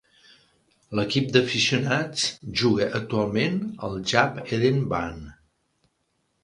L'equip d'aficionats juga actualment al Jaap Eden baan.